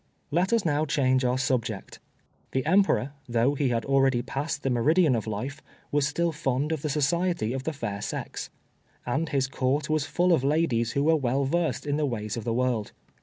Let us now change our subject. The Emperor, though he had already passed the meridian of life, was still fond of the society of the fair sex. And his Court was full of ladies who were well versed in the ways of the world.